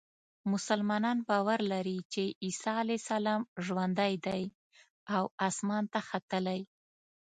مسلمانان باور لري چې عیسی علیه السلام ژوندی دی او اسمان ته ختلی.